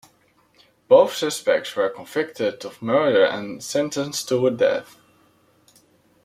Both suspects were convicted of murder and sentenced to death.